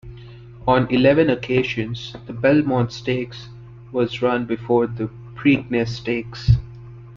On eleven occasions the Belmont Stakes was run before the Preakness Stakes.